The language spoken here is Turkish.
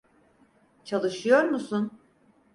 Çalışıyor musun?